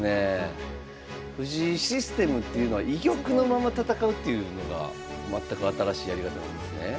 藤井システムっていうのは居玉のまま戦うっていうのが全く新しいやり方なんですね。